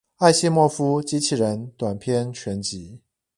艾西莫夫機器人短篇全集